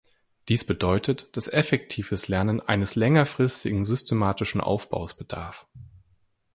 Dies bedeutet, dass effektives Lernen eines längerfristigen systematischen Aufbaus bedarf.